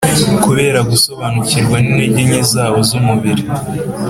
. Kubera gusobanukirwa n’intege nke zabo z’umubiri